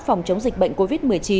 phòng chống dịch bệnh covid một mươi chín